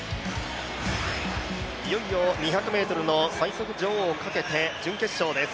いよいよ２００ｍの最速女王をかけて準決勝です。